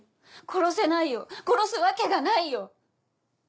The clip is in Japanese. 殺せないよ殺すわけがないよ。